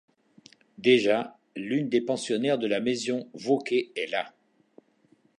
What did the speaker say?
Déjà l’une des pensionnaires de la Maison-Vauquer est là…